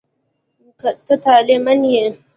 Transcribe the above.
ته طالع من یې.